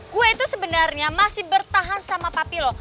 gue itu sebenarnya masih bertahan sama papi lo